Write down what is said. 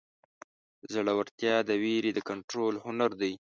زړهورتیا د وېرې د کنټرول هنر دی.